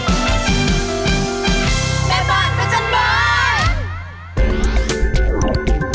โปรดติดตามตอนต่อไป